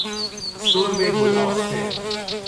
سرب گداخته